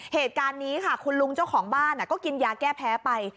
เหตุการณ์นี้ค่ะคุณลุงเจ้าของบ้านก็กินยาแก้แพ้ไป